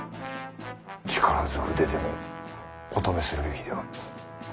力ずくででもお止めするべきでは？